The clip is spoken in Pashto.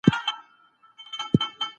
پیغمبر د انسانیت، مینې او سولې سمبول و.